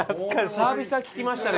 久々聞きましたね